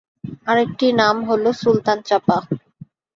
আরেকটি নাম হলো সুলতান চাঁপা।